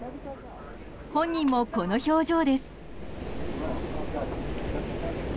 本人もこの表情です。